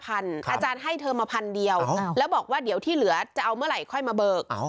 อาจารย์ให้เธอมาพันเดียวแล้วบอกว่าเดี๋ยวที่เหลือจะเอาเมื่อไหร่ค่อยมาเบิก